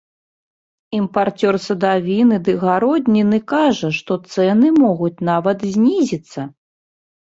Імпарцёр садавіны ды гародніны кажа, што цэны могуць нават знізіцца!